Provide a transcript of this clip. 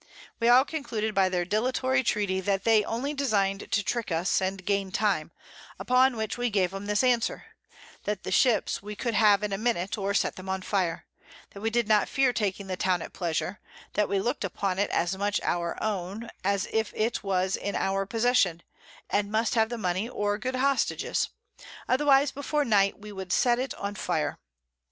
We all concluded by their dilatory Treaty, that they only design'd to trick us, and gain Time; upon which we gave 'em this Answer: That the Ships we could have in a Minute, or set them on fire; that we did not fear taking the Town at pleasure; that we look'd upon it as much our own, as if it was in our Possession, and must have the Money or good Hostages; otherwise before Night we would set it on fire.